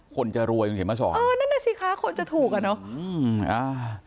คนจะรวยคุณเขียนมาสอนเออนั่นน่ะสิคะคนจะถูกอ่ะเนอะอืมอ่า